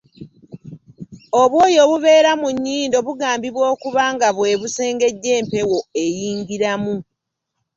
Obwoya obubeera mu nnyindo bugambibwa okuba nga bwe busengejja empewo eyingiramu.